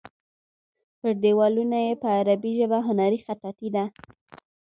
پر دیوالونو یې په عربي ژبه هنري خطاطي ده.